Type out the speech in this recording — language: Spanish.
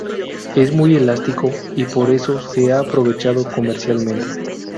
Es muy elástico y por eso se ha aprovechado comercialmente.